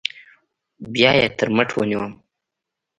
بيا يې تر مټ ونيوم.